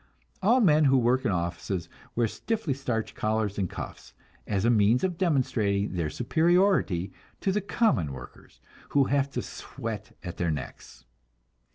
All men who work in offices wear stiffly starched collars and cuffs, as a means of demonstrating their superiority to the common workers, who have to sweat at their necks.